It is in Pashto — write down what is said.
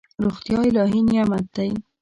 روغتیا الهي نعمت دی.